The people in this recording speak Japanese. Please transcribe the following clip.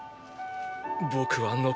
僕は残る。